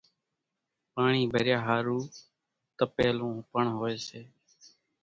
پاڻِي ڀريا ۿارُو تپيلون پڻ هوئيَ سي۔